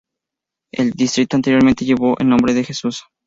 El distrito anteriormente llevó el nombre de "Jesús".